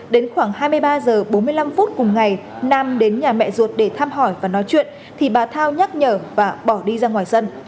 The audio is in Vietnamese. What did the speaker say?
đến khoảng hai mươi ba h bốn mươi năm phút cùng ngày nam đến nhà mẹ ruột để thăm hỏi và nói chuyện thì bà thao nhắc nhở và bỏ đi ra ngoài sân